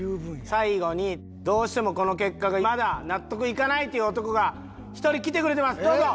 最後にどうしてもこの結果がまだ納得いかないっていう男が一人来てくれてますどうぞ！